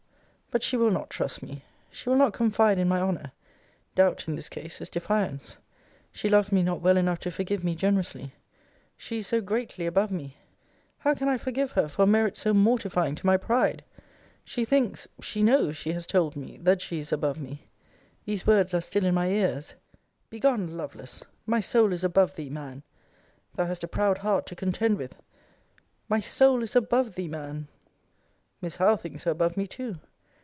But she will not trust me. She will not confide in my honour. Doubt, in this case, is defiance. She loves me not well enough to forgive me generously. She is so greatly above me! How can I forgive her for a merit so mortifying to my pride! She thinks, she knows, she has told me, that she is above me. These words are still in my ears, 'Be gone, Lovelace! My soul is above thee, man! Thou hast a proud heart to contend with! My soul is above thee, man!'* Miss Howe thinks her above me too.